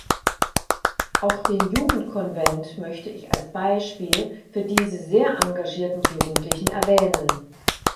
Auch den Jugendkonvent möchte ich als Beispiel für diese sehr engagierten Jugendlichen erwähnen.